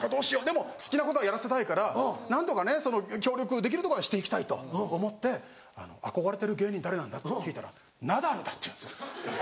でも好きなことはやらせたいから何とかね協力できるところはしていきたいと思って「憧れてる芸人誰なんだ？」って聞いたら「ナダルだ」って言うんです。